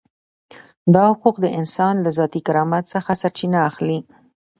دا حقوق د انسان له ذاتي کرامت څخه سرچینه اخلي.